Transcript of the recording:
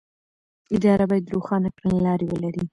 اداره باید روښانه کړنلارې ولري.